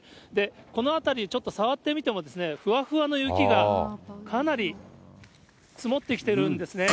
この辺り、ちょっと触ってみても、ふわふわの雪がかなり積もってきているんですね。